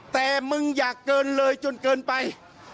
แต่มึงอยากเกินเลยจนเกินไป